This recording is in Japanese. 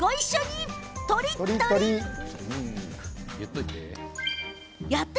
とりっとり！